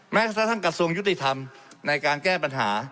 แม้กระทรวงยุธิธรรมในการแก้ปัญหา